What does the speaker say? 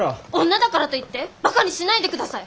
女だからといってバカにしないでください！